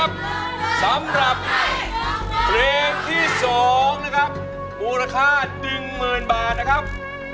สำหรับเพลงที่๒นะครับมูลค่า๑๐๐๐บาทนะครับ